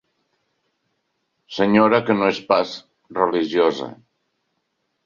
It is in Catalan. Senyora que no és pas religiosa.